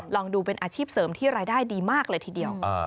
ลองดูเป็นอาชีพเสริมที่รายได้ดีมากเลยทีเดียว